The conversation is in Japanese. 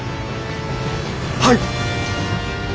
はい！